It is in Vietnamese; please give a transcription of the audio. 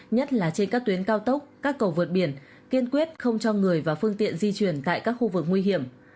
nhất là trên các tuyến cao tốc các cầu vượt biển kiên quyết không cho người và phương tiện di chuyển tại các khu vực nguy hiểm